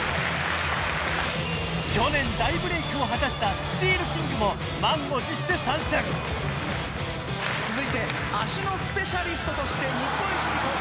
去年大ブレークを果たしたスチールキングも満を持して参戦続いて足のスペシャリストとして日本一に貢献